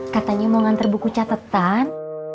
katanya mau nganter buku catetan